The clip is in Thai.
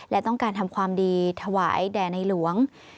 และทำความดีแถววายแดหนัยหลวง